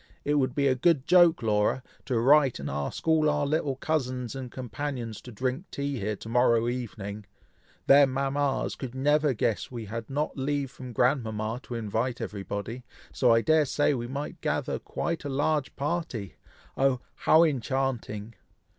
It would be a good joke, Laura, to write and ask all our little cousins and companions to drink tea here to morrow evening! Their mamas could never guess we had not leave from grandmama to invite everybody, so I dare say we might gather quite a large party! oh! how enchanting!"